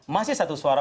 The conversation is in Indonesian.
masih satu suara